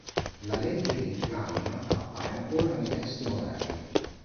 La legge di Gunn appare ancora nei testi moderni.